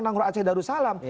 undang undang aceh darussalam